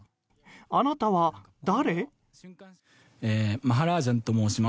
あなたは誰？